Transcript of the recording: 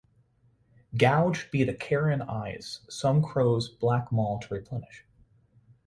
Gouged be the carrion eyes some crow's black maw to replenish.